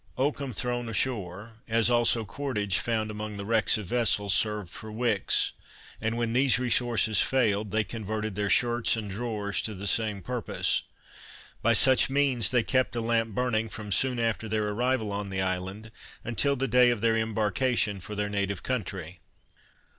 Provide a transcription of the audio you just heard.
Oakum thrown ashore, as also cordage found among the wrecks of vessels, served for wicks; and when these resources failed, they converted their shirts and drawers to the same purpose. By such means they kept a lamp burning from soon after their arrival on the island, until the day of their embarkation for their native country.